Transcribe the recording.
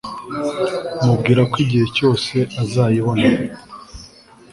mubwira ko igihe cyose azayibona